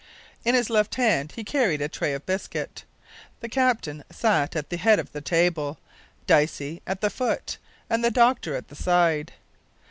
In his left hand he carried a tray of biscuit. The captain sat at the head of the table, Dicey at the foot, and the doctor at the side.